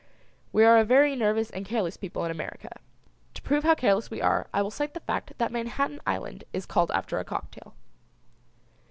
We are a very nervous and careless people in America. To prove how careless we are I will cite the fact that Manhattan Island is called after a cocktail.